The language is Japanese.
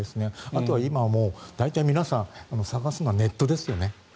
あとは大体皆さん探すのはネットですよね。